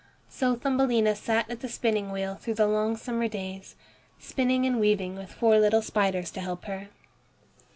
So Thumbelina sat at the spinning wheel through the long summer days, spinning and weaving with four little spiders to help her.